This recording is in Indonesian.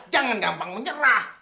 jangan gampang menyerah